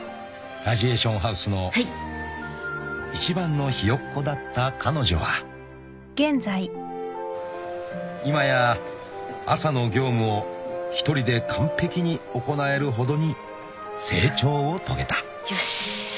［ラジエーションハウスの一番のひよっこだった彼女はいまや朝の業務を１人で完璧に行えるほどに成長を遂げた］よしっ。